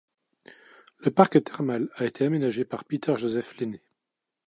Le parc thermal a été aménagé par Peter Joseph Lenné.